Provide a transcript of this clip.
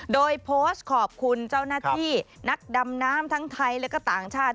โดยโพสต์ขอบคุณเจ้าหน้าที่นักดำน้ำทั้งไทยและก็ต่างชาติ